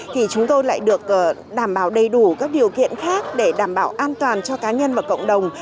thì chúng tôi lại được đảm bảo đầy đủ các điều kiện khác để đảm bảo an toàn cho cá nhân và cộng đồng